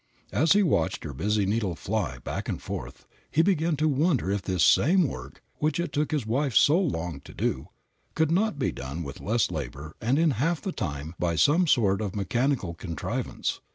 As he watched her busy needle fly back and forth, he began to wonder if this same work which it took his wife so long to do could not be done with less labor and in half the time by some sort of mechanical contrivance.